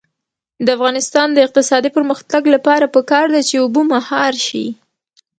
د افغانستان د اقتصادي پرمختګ لپاره پکار ده چې اوبه مهار شي.